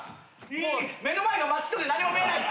もう目の前が真っ白で何も見えないって。